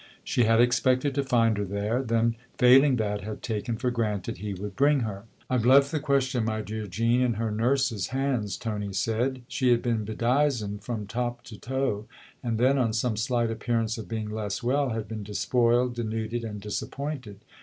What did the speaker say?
She had expected to find her there ; then, failing that, had taken for granted he would bring her. " I've left the question, my dear Jean, in her nurse's hands," Tony said. " She had been bedizened from top to toe, and then, on some slight appearance of being less well, had been despoiled, denuded and disappointed.